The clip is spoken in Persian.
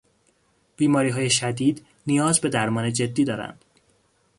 بیماریهای شدید نیاز به درمان جدی دارند